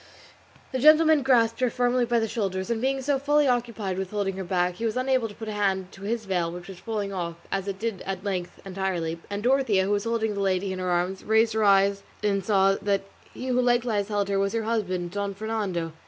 The gentleman grasped her firmly by the shoulders, and being so fully occupied with holding her back, he was unable to put a hand to his veil which was falling off, as it did at length entirely, and Dorothea, who was holding the lady in her arms, raising her eyes saw that he who likewise held her was her husband, Don Fernando.